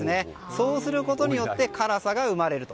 そうすることで辛さが生まれると。